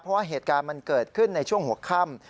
เพราะว่าเหตุการณ์มันเกิดขึ้นในช่วงหัวค่ำ